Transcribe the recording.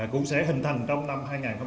cũng sẽ hình thành trong năm hai nghìn hai mươi